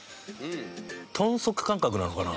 豚足感覚なのかな？